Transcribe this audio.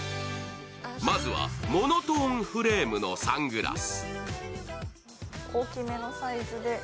まずは、モノトーンフレームのサングラス。